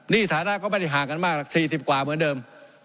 นี่ฐานะก็ไม่ได้ห่างกันมากหรอก๔๐กว่าเหมือนเดิม